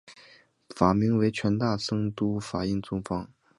法名为权大僧都法印宗方。